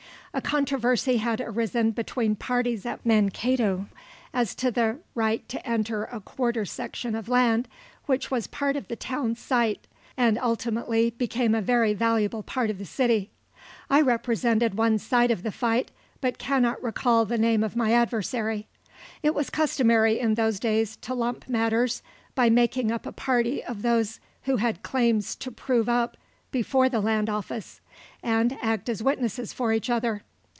A controversy had arisen between parties at Mankato as to the right to enter a quarter section of land which was part of the town site, and ultimately became a very valuable part of the city. I represented one side of the fight, but cannot recall the name of my adversary. It was customary in those days to lump matters by making up a party of those who had claims to prove up before the land office, and act as witnesses for each other.